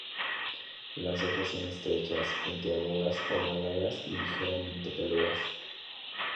Las hojas son estrechas, puntiagudas, ovaladas y ligeramente peludas.